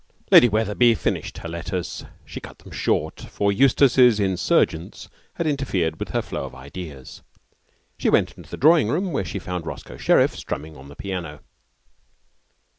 Lady Wetherby finished her letters. She cut them short, for Eustace's insurgence had interfered with her flow of ideas. She went into the drawing room, where she found Roscoe Sherriff strumming on the piano.